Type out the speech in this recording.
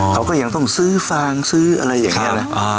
เขาก็ยังต้องซื้อฟางซื้ออะไรอย่างนี้นะ